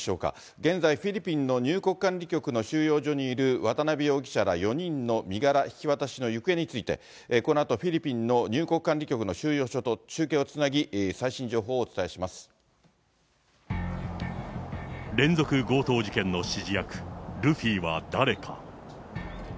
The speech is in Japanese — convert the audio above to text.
現在、フィリピンの入国管理局の収容所にいる渡辺容疑者ら４人の身柄引き渡しの行方について、このあと、フィリピンの入国管理局の収容所と中継をつなぎ、最新情報をお伝連続強盗事件の指示役、ルフィは誰か。